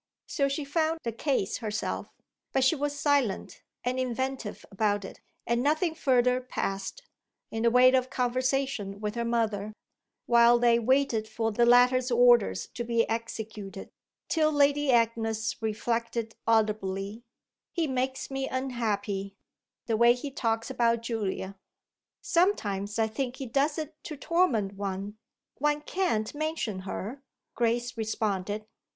So she found the case herself, but she was silent and inventive about it, and nothing further passed, in the way of conversation with her mother, while they waited for the latter's orders to be executed, till Lady Agnes reflected audibly: "He makes me unhappy, the way he talks about Julia." "Sometimes I think he does it to torment one. One can't mention her!" Grace responded.